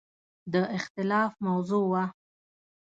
د اختلاف موضوع وه.